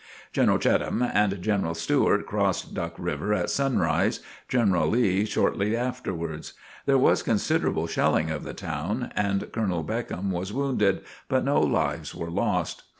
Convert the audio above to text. General Cheatham and General Stewart crossed Duck River at sunrise; General Lee shortly afterwards. There was considerable shelling of the town, and Colonel Beckham was wounded, but no lives were lost.